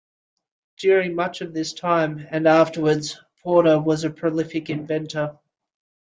During much of this time, and afterwards, Porter was a prolific inventor.